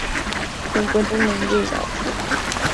Se encuentra en la India y Laos.